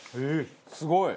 すごい。